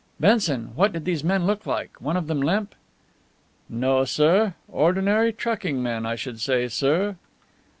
Benson, what did these men look like? One of them limp?" "No, sir. Ordinary trucking men, I should say, sir."